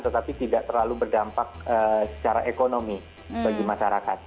tetapi tidak terlalu berdampak secara ekonomi bagi masyarakat